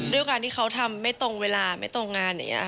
ด้วยการที่เขาทำไม่ตรงเวลาไม่ตรงงานอย่างนี้